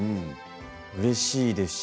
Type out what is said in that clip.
うれしいですね。